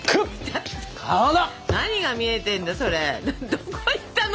どこ行ったの？